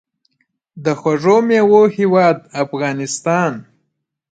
د خوږو میوو هیواد افغانستان.